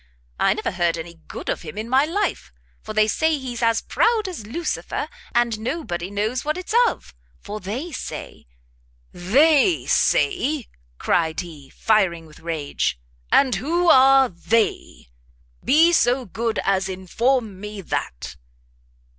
I never heard any good of him in my life, for they say he's as proud as Lucifer, and nobody knows what it's of, for they say " "They say?" cried he, firing with rage, "and who are they? be so good as inform me that?"